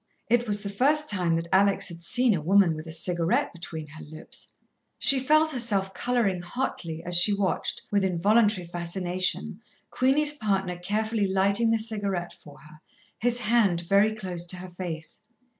It was the first time that Alex had seen a woman with a cigarette between her lips. She felt herself colouring hotly, as she watched, with involuntary fascination, Queenie's partner carefully lighting the cigarette for her, his hand very close to her face.